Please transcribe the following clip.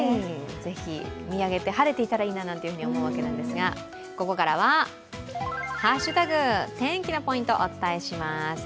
ぜひ見上げて、晴れていたらいいなと思うわけなんですが、ここからは「＃ハッシュタグ天気」のポイントお伝えします。